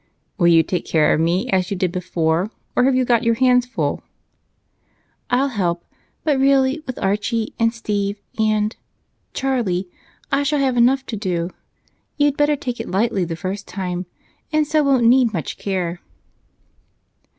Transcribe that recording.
"Will you take care of me as you did before, or have you got your hands full?" "I'll help, but really with Archie and Steve and Charlie, I shall have enough to do. You'd better take it lightly the first time, and so won't need much care."